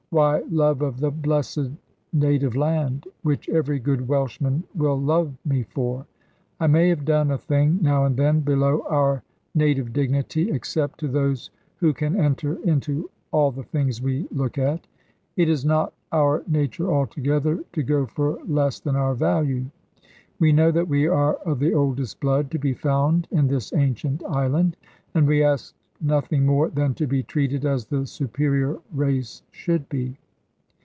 Why, love of the blessed native land which every good Welshman will love me for. I may have done a thing, now and then, below our native dignity, except to those who can enter into all the things we look at. It is not our nature altogether, to go for less than our value. We know that we are of the oldest blood to be found in this ancient island, and we ask nothing more than to be treated as the superior race should be.